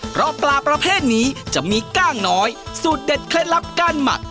เพราะปลาประเภทนี้จะมีกล้างน้อยสูตรเด็ดเคล็ดลับการหมัก